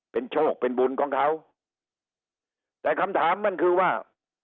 เป็นโชคเป็นบุญของเขาแต่คำถามมันคือว่า